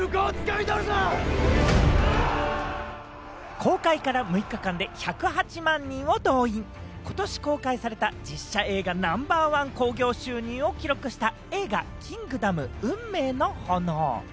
公開から６日間で１０８万人を動員、今年公開された実写映画ナンバーワンの興行収入を記録した、映画『キングダム運命の炎』。